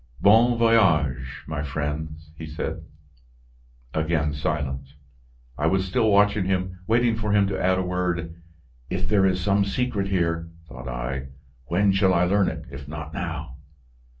"Bon voyage, my friends!" he said. Again silence; I was still watching him, waiting for him to add a word. "If there is some secret here," thought I, "when shall I learn it, if not now?